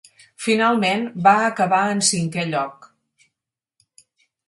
Finalment, va acabar en cinquè lloc.